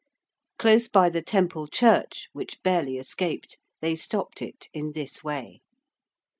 Close by the Temple Church (which barely escaped) they stopped it in this way.